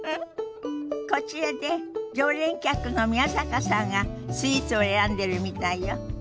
こちらで常連客の宮坂さんがスイーツを選んでるみたいよ。